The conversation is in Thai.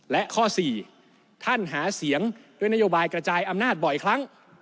และข้อ๔ท่านหาเสียงด้วยนโยบายกระจายอำนาจบ่อยครั้ง